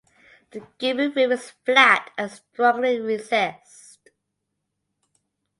The gable roof is flat and strongly recessed.